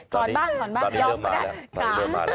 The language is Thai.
ก่อนบ้างกูเดี๋ยวก็แต่